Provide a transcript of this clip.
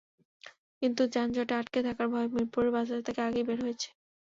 কিন্তু যানজটে আটকে থাকার ভয়ে মিরপুরের বাসা থেকে আগেই বের হয়েছি।